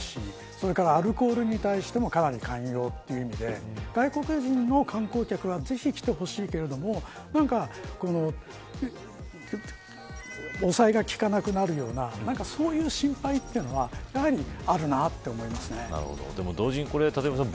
それからアルコールに対してもかなり寛容ということで外国人の観光客がぜひ来てほしけれども何か抑えが利かなくなるようなそういう心配というのはでも同時に、立岩さん。